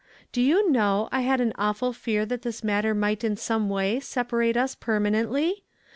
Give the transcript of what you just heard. Do you know, I had an awful fear that this matter inight in some way separate us permanently?